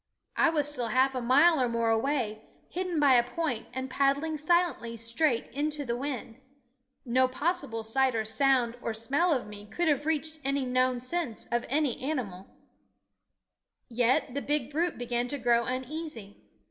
I was still half a mile or more away, hidden by a point and paddling silently straight into the wind. No possible sight or sound or smell of me could have reached any known sense of any animal ; yet the big brute began to grow uneasy.